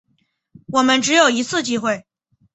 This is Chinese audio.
我们只有一次机会